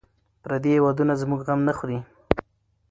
پردي هېوادونه زموږ غم نه خوري.